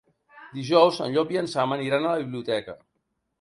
Dijous en Llop i en Sam aniran a la biblioteca.